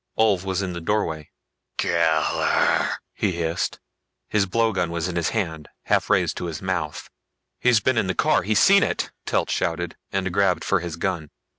Ulv was in the doorway. "Killer!" he hissed. His blowgun was in his hand, half raised to his mouth. "He's been in the car he's seen it!" Telt shouted and grabbed for his gun.